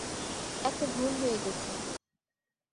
একটা ভুল হয়ে গেছে।